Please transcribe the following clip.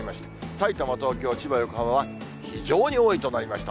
さいたま、東京、千葉、横浜は非常に多いとなりました。